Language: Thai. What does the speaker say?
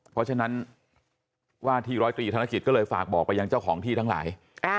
เพราะฉะนั้นว่าที่ร้อยตรีธนกิจก็เลยฝากบอกไปยังเจ้าของที่ทั้งหลาย